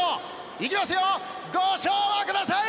いきますよ、ご唱和ください！